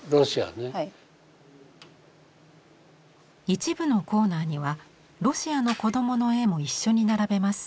一部のコーナーにはロシアの子どもの絵も一緒に並べます。